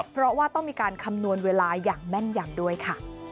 เพราะว่าต้องมีการคำนวณเวลาอย่างแม่นยำด้วยค่ะ